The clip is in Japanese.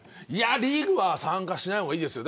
リーグは参加しない方がいいですよ。